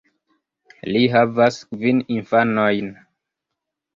Li havas kvin infanojn.